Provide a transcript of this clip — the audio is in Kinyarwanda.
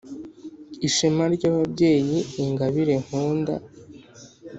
Ishema ry’ababyeyi Ingabire nkunda!